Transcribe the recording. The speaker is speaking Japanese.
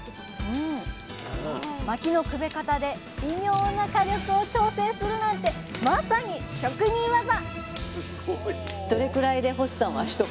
まきのくべ方で微妙な火力を調整するなんてまさに職人ワザ！